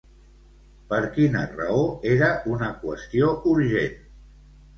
Per quina raó era una qüestió urgent?